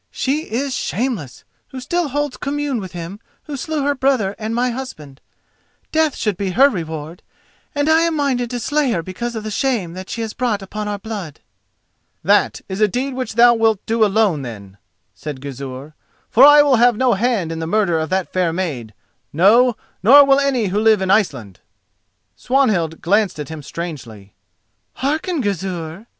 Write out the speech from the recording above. She is shameless, who still holds commune with him who slew her brother and my husband. Death should be her reward, and I am minded to slay her because of the shame that she has brought upon our blood." "That is a deed which thou wilt do alone, then," said Gizur, "for I will have no hand in the murder of that fair maid—no, nor will any who live in Iceland!" Swanhild glanced at him strangely. "Hearken, Gizur!"